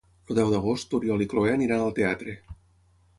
El deu d'agost n'Oriol i na Cloè iran al teatre.